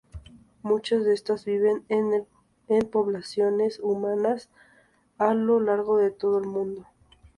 Muchas de estas viven en poblaciones humanas a lo largo de todo el mundo.